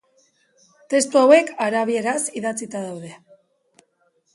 Testu hauek arabieraz idatzita daude.